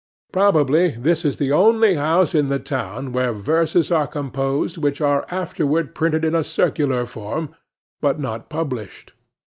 Probably this is the only house in the town where verses are composed, which are afterward printed in a circular form, but not published.